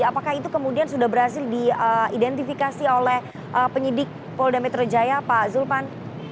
apakah itu kemudian sudah berhasil diidentifikasi oleh penyidik polda metro jaya pak zulpan